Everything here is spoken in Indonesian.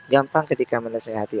gampang ketika menasihati